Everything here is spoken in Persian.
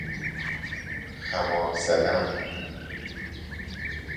خماک زدن